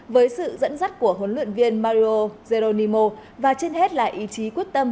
với sự dẫn dắt của huấn luyện viên mario geronimo và trên hết là ý chí quyết tâm